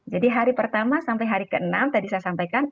jadi hari pertama sampai hari keenam tadi saya sampaikan